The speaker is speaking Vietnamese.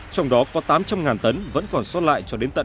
trong đó có tám trăm linh tấn vẫn còn sót lại cho đến tận